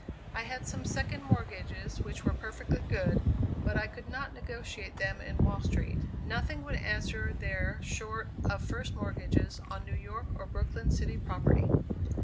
I had some second mortgages which were perfectly good, but I could not negotiate them in Wall Street. Nothing would answer there short of first mortgages on New York or Brooklyn city property.